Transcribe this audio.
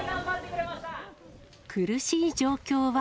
苦しい状況は。